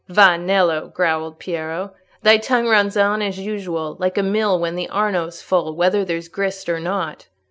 "Va, Nello," growled Piero, "thy tongue runs on as usual, like a mill when the Arno's full—whether there's grist or not."